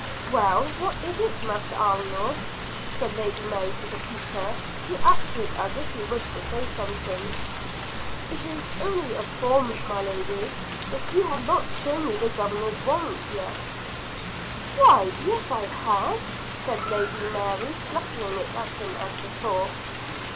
"Well, what is it, Master Arnold?" said Lady Mary to the keeper, who acted as if he wished to say something. "It is only a form, my lady; but you have not shown me the Governor's warrant yet?" "Why, yes I have," said Lady Mary, fluttering it at him as before.